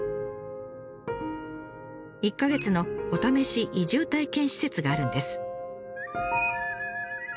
１か月のお試し移住体験施設があるんです。